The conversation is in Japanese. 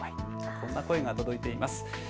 こんな声も届いています。